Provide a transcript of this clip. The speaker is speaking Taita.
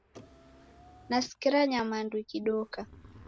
Nasikira nyamandu ikidoka.